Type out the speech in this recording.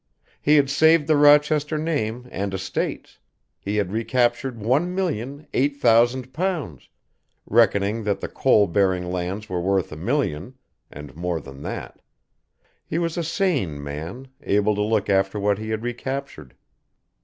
He had saved the Rochester name and estates, he had recaptured one million, eight thousand pounds, reckoning that the coal bearing lands were worth a million, and, more than that; he was a sane man, able to look after what he had recaptured.